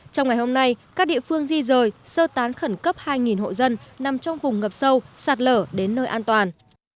trong ngày hôm nay các địa phương di rời sơ tán khẩn cấp hai hộ dân nằm trong vùng ngập sâu sạt lở đến nơi an toàn